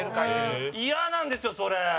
イヤなんですよ、それ。